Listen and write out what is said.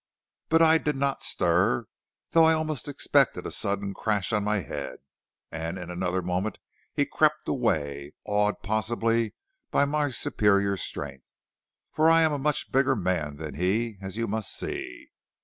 But I did not stir, though I almost expected a sudden crash on my head, and in another moment he crept away, awed possibly by my superior strength, for I am a much bigger man than he, as you must see.